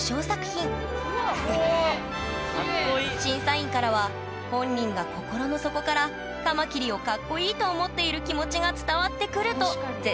審査員からは「本人が心の底からカマキリをかっこいいと思っている気持ちが伝わってくる」と絶賛されました